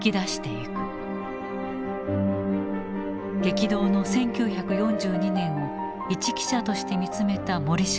激動の１９４２年を一記者として見つめた森正蔵。